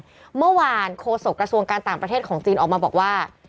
เมื่อวานโฆษกระทรวงการต่างประเทศของจีนออกมาบอกว่า